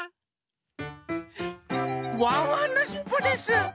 ワンワンのしっぽです！